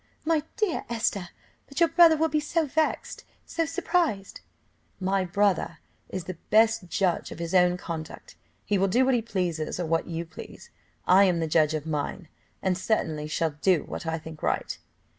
"My dear Esther, but your brother will be so vexed so surprised." "My brother is the best judge of his own conduct, he will do what he pleases, or what you please. I am the judge of mine, and certainly shall do what I think right."